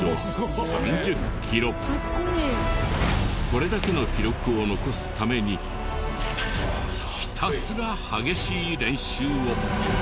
これだけの記録を残すためにひたすら激しい練習を。